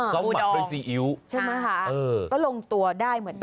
เขามันเป็นซีอิ๊วใช่มั้ยคะก็ลงตัวได้เหมือนกัน